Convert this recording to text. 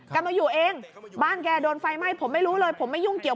แกมาอยู่เองบ้านแกโดนไฟไหม้ผมไม่รู้เลยผมไม่ยุ่งเกี่ยว